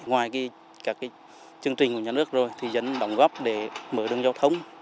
ngoài các chương trình của nhà nước rồi thì dân đóng góp để mở đường giao thông